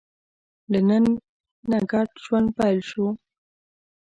له نن نه ګډ ژوند پیل شو.